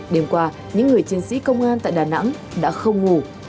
đêm qua những người chiến sĩ công an tại đà nẵng đã không ngủ